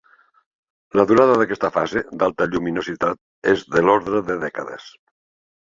La durada d'aquesta fase d'alta lluminositat és de l'ordre de dècades.